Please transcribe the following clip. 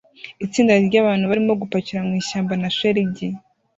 Itsinda ryabantu barimo gupakira mu ishyamba na shelegi